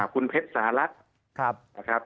คุณเพชรสารักษณ์